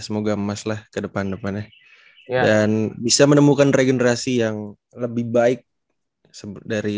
semoga emaslah ke depan depannya dan bisa menemukan regenerasi yang lebih baik dari